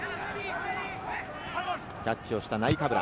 キャッチをしたナイカブラ。